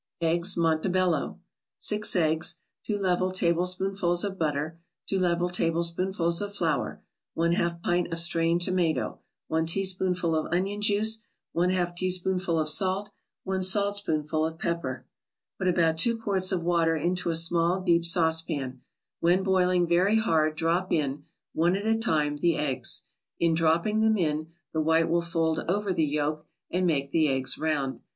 EGGS MONTE BELLO 6 eggs 2 level tablespoonfuls of butter 2 level tablespoonfuls of flour 1/2 pint of strained tomato 1 teaspoonful of onion juice 1/2 teaspoonful of salt 1 saltspoonful of pepper Put about two quarts of water into a small deep saucepan; when boiling very hard drop in, one at a time, the eggs. In dropping them in, the white will fold over the yolk and make the eggs round.